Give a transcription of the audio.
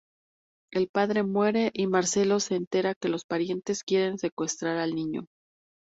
El padre muere y Marcelo se entera que los parientes quieren secuestrar al niño.